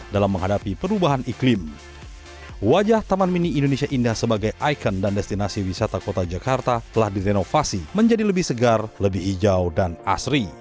dalam menghadapi perubahan iklim wajah taman mini indonesia indah sebagai ikon dan destinasi wisata kota jakarta telah direnovasi menjadi lebih segar lebih hijau dan asri